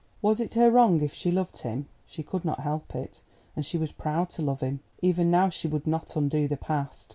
Was it her wrong if she loved him? She could not help it, and she was proud to love him. Even now, she would not undo the past.